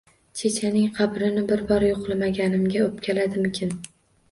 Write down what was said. Chechaning qabrini bir bor yo`qlamaganimga o`pkaladimikan